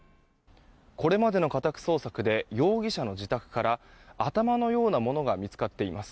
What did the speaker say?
これまでの家宅捜索で容疑者の自宅から頭のようなものが見つかっています。